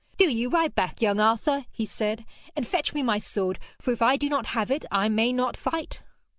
'Do you ride back, young Arthur,' he said, 'and fetch me my sword, for if I do not have it I may not fight.'